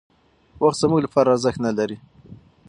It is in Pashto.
وخت زموږ لپاره ارزښت نهلري.